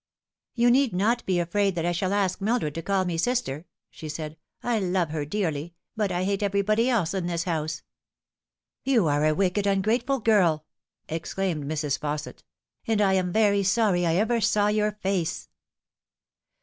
" You need not be afraid that I shall ask Mildred to call me sister," she said. " I love her dearly, but I hate everybody else ia this house." "You are a wicked, ungrateful girl," exclaimed Mrs. Fausset, " and I am very sorry I ever saw your face."